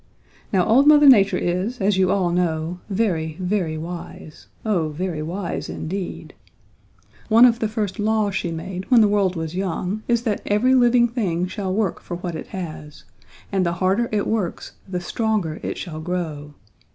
"Now old Mother Nature is, as you all know, very, very wise, oh very wise indeed. One of the first laws she made when the world was young is that every living thing shall work for what it has, and the harder it works the stronger it shall grow.